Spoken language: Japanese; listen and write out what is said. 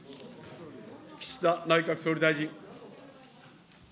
岸田内閣総理大臣。